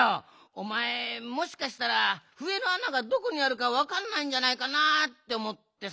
おまえもしかしたらふえのあながどこにあるかわかんないんじゃないかなっておもってさ。